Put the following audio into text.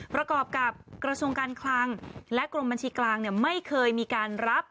ประกอบกับกระทรวงการคลังและกรมบัญชีกลางไม่เคยมีการรับ